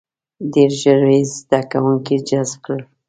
• ډېر ژر یې زده کوونکي جذب کړل.